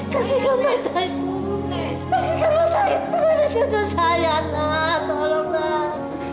kasihkan mata itu kasihkan mata itu pada cucu saya nek tolong nek